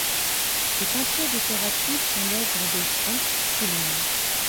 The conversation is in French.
Les peintures décoratives sont l'œuvre de Svante Thulin.